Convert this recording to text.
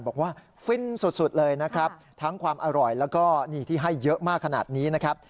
ฟินสุดเลยนะครับทั้งความอร่อยแล้วก็นี่ที่ให้เยอะมากขนาดนี้นะครับ